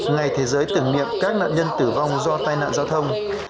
ngày thế giới tưởng niệm các nạn nhân tử vong do tai nạn giao thông